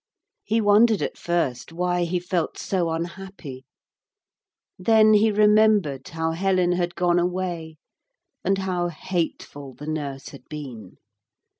He wondered at first why he felt so unhappy, then he remembered how Helen had gone away and how hateful the nurse had been.